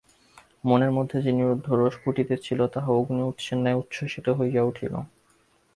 মনের মধ্যে যে নিরুদ্ধ রোষ ফুটিতেছিল, তাহা অগ্নি-উৎসের ন্যায় উচ্ছ্বসিত হইয়া উঠিল।